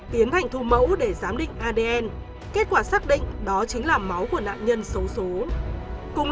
tiến hành thu mẫu để giám định adn kết quả xác định đó chính là máu của nạn nhân xấu xố